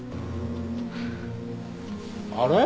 あれ？